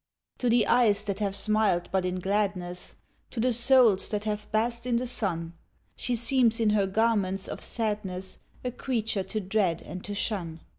To the eyes that have smiled but in gladness, To the souls that have basked in the sun, She seems in her garments of sadness, A creature to dread and to shun.